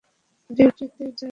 ডিউটিতে জয়েন করেছেন?